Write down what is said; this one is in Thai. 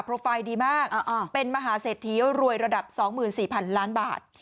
โปรไฟล์ดีมากเป็นมหาเศรษฐีรวยระดับ๒๔๐๐๐ล้านบาท